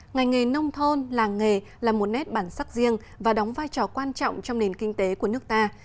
ngành nghề nông thôn làng nghề là một nét bản sắc riêng và đóng vai trò quan trọng trong nền kinh tế của nước ta